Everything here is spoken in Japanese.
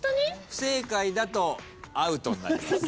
不正解だとアウトになります。